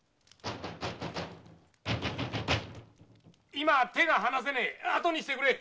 ・今手が離せねえ！後にしてくれ！